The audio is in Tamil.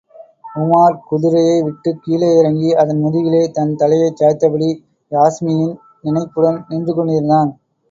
உமார், குதிரையை விட்டுக் கீழே இறங்கி அதன் முதுகிலே தன் தலையைச் சாய்த்தபடி, யாஸ்மியின் நினைப்புடன் நின்று கொண்டிருந்தான்.